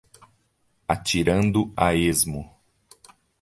Atirando a esmo